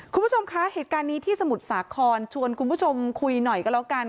คุณผู้ชมคะเหตุการณ์นี้ที่สมุทรสาครชวนคุณผู้ชมคุยหน่อยก็แล้วกัน